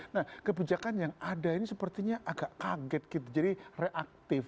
nah kebijakan yang ada ini sepertinya agak kaget gitu jadi reaktif